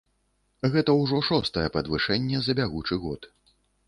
Гэта ўжо шостае падвышэнне за бягучы год.